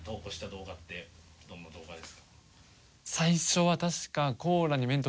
最初は確かああ